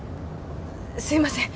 すいません